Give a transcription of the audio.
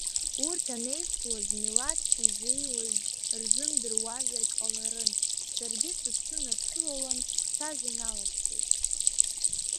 Урҭ анеисуаз милаҭс изеиуаз рзымдыруазаргь ҟаларын, саргьы сыԥсы насылалан, сажәа наласҵеит.